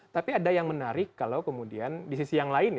tapi ada yang menarik kalau kemudian di sisi yang lain